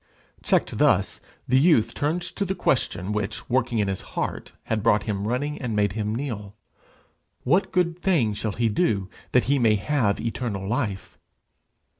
Checked thus, the youth turns to the question which, working in his heart, had brought him running, and made him kneel: what good thing shall he do that he may have eternal life?